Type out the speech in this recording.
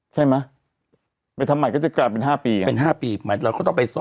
ใช่มั้ยไปทำใหม่ก็จะกลายเป็นห้าปีเป็นห้าปีหมายถึงเราเขาต้องไปสอบ